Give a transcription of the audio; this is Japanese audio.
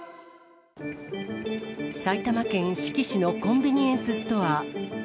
埼玉県志木市のコンビニエンスストア。